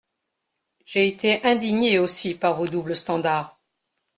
J’ai été indigné aussi par vos doubles standards.